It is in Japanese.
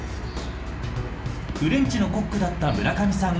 フレンチのコックだった村上さん